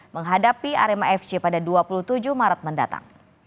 menghadapi arema fc pada dua puluh tujuh maret mendatang